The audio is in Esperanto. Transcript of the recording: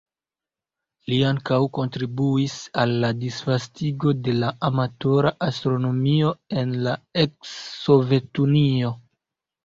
Li ankaŭ kontribuis al la disvastigo de la amatora astronomio en la eks-Sovetunio.